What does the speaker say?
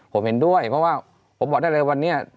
ผมเห็นด้วยเพราะว่าผมบอกได้เลยวันนี้